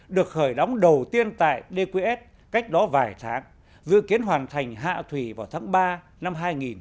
được khởi đóng đầu tiên tại dqs cách đó vài tháng dự kiến hoàn thành hạ thủy vào tháng ba năm hai nghìn hai mươi